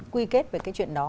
quy kết về cái chuyện đó